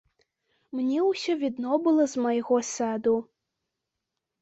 Мне ўсё відно было з майго саду.